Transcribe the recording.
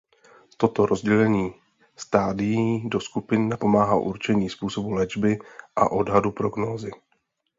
Toto rozdělení stádií do skupin napomáhá určení způsobu léčby a odhadu prognózy.